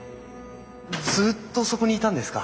ずっとそこにいたんですか？